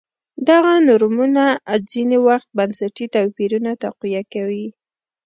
دغه نورمونه ځیني وخت بنسټي توپیرونه تقویه کوي.